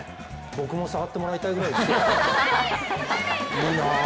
僕も触ってもらいたいぐらいですよ、いいなぁ。